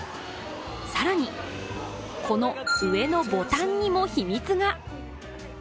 更に、この上のボタンにも秘密が。